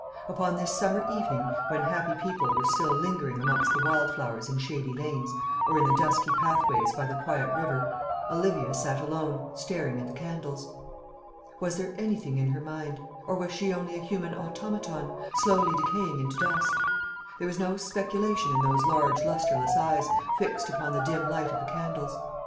Upon this summer evening, when happy people were still lingering amongst the wild flowers in shady lanes, or in the dusky pathways by the quiet river, Olivia sat alone, staring at the candles. Was there anything in her mind; or was she only a human automaton, slowly decaying into dust? There was no speculation in those large lustreless eyes, fixed upon the dim light of the candles.